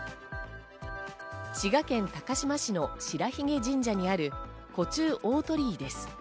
滋賀県高島市の白鬚神社にある湖中大鳥居です。